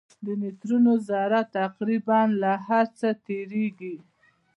د نیوټرینو ذره تقریباً له هر څه تېرېږي.